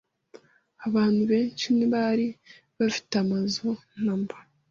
Abantu benshi ntibari bafite amazu namba.